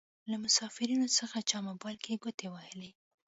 له مسافرينو څخه چا موبايل کې ګوتې وهلې.